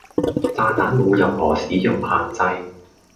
炸彈冇任何使用限制